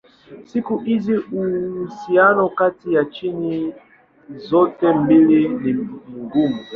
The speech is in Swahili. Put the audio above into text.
Siku hizi uhusiano kati ya China zote mbili ni mgumu.